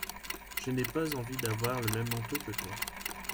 Je n'ai pas envie d'avoir le même manteau que toi.